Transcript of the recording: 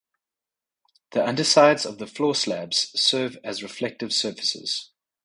The undersides of the floor slabs serve as reflective surfaces.